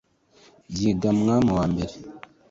yiga mwa mu wa mbere